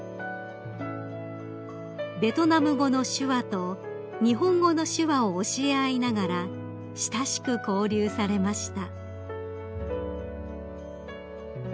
［ベトナム語の手話と日本語の手話を教え合いながら親しく交流されました］